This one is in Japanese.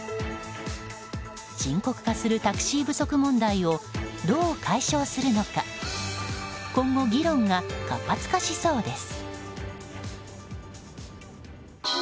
深刻化するタクシー不足問題をどう解消するのか今後、議論が活発化しそうです。